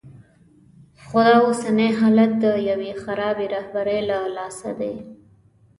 خو دا اوسنی حالت د یوې خرابې رهبرۍ له لاسه دی.